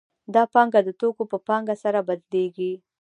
دا پانګه د توکو په پانګه سره بدلېږي